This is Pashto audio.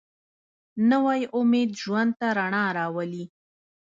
نوی امید ژوند ته رڼا راولي